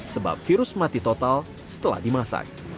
sebab virus mati total setelah dimasak